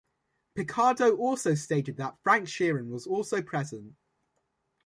Picardo also stated that Frank Sheeran was also present.